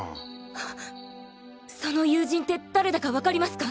ハッその友人って誰だかわかりますか？